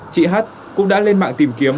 chị hát cũng đã lên mạng tìm kiếm